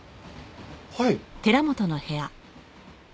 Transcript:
はい。